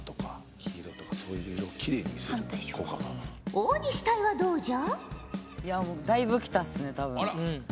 大西隊はどうじゃ？